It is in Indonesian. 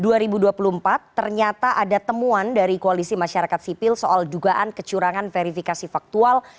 ternyata ada temuan dari koalisi masyarakat sipil soal dugaan kecurangan verifikasi faktual